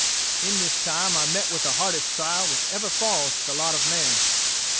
"In this time I met with the hardest trial which ever falls to the lot of man.